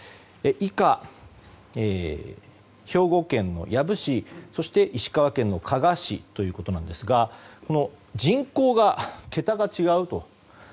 以下、兵庫県の養父市そして石川県の加賀市ということなんですがこの人口が桁が違うと。